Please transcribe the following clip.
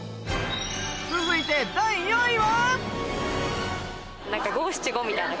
続いて第４位は？